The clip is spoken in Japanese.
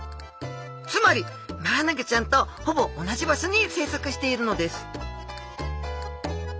つまりマアナゴちゃんとほぼ同じ場所に生息しているのです